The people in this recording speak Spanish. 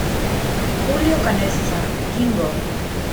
Julio Canessa: Yingo.